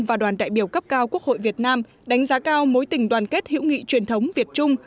và đoàn đại biểu cấp cao quốc hội việt nam đánh giá cao mối tình đoàn kết hữu nghị truyền thống việt trung